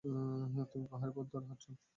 তুমি পাহাড়ি পথ ধরে হাঁটছো।